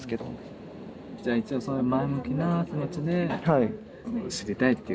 じゃあ一応そういう前向きな気持ちで知りたいっていう。